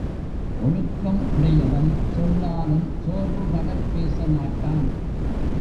ஒழுக்கம் உடையவன் சொல்லாலும் சோர்வுபடப் பேச மாட்டான்.